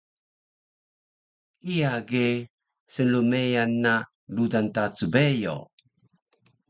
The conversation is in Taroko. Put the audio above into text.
Kiya ge snlmeyan na rudan ta cbeyo